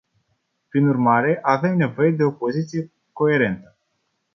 Prin urmare, avem nevoie de o poziție coerentă.